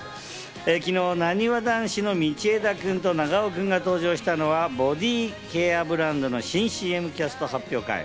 昨日、なにわ男子の道枝君と長尾君が登場したのは、ボディケアブランドの新ＣＭキャスト発表会。